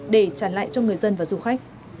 để tràn lại cho người dân và du khách